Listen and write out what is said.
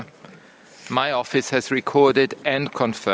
pejabat saya telah menerima dan mengakui